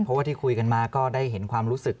เพราะว่าที่คุยกันมาก็ได้เห็นความรู้สึก